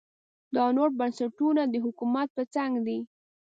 دا نور بنسټونه د حکومت په څنګ دي.